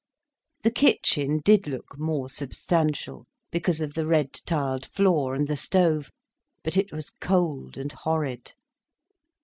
The kitchen did look more substantial, because of the red tiled floor and the stove, but it was cold and horrid.